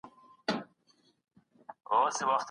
ایا پنډي په اوږه باندي ګڼ توکي راوړل؟